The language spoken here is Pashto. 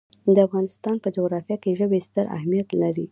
د افغانستان په جغرافیه کې ژبې ستر اهمیت لري.